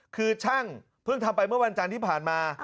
คือช่างเพิ่งทำไปเมื่อวันจันทร์ที่ผ่านมา